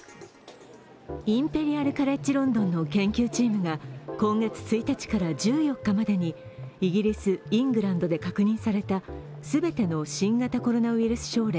インペリアル・カレッジ・ロンドンの研究チームが今月１日から１４日までにイギリス・イングランドで確認された全ての新型コロナウイルス症例